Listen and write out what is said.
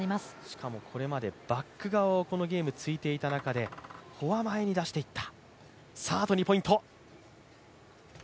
しかもこれまでバック側をこれまでついていた中でフォア前に出していった。